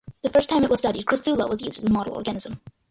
The first time it was studied, "Crassula" was used as a model organism.